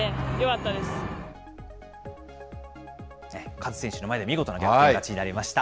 カズ選手の前で見事な逆転勝ちになりました。